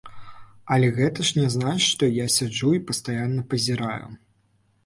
Але гэта ж не значыць, што я сяджу і пастаянна пазіраю.